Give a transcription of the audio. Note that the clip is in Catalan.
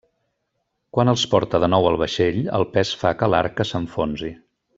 Quan els porta de nou al vaixell, el pes fa que l'arca s'enfonsi.